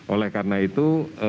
oleh karena itu